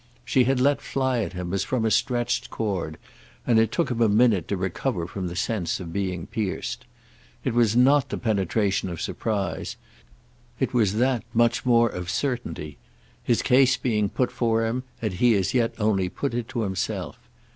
She had let fly at him as from a stretched cord, and it took him a minute to recover from the sense of being pierced. It was not the penetration of surprise; it was that, much more, of certainty; his case being put for him as he had as yet only put it to himself.